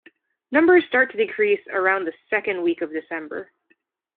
Numbers start to decrease around the second week of December.